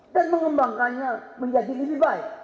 mengembangkannya menjadi lebih baik